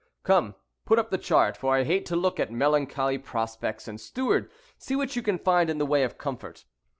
Come, put up the chart, for I hate to look at melancholy prospects; and, steward, see what you can find in the way of comfort."